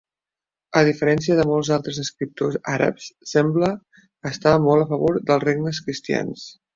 A diferència de molts altres escriptors àrabs, sembla estar molt a favor dels regnes cristians.